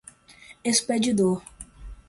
expedidor